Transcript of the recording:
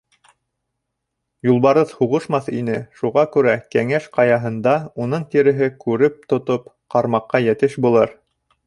— Юлбарыҫ һуғышмаҫ ине, шуға күрә Кәңәш Ҡаяһында уның тиреһе күреп-тотоп ҡарамаҡҡа йәтеш булыр.